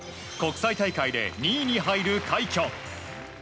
国際大会で２位に入る快挙。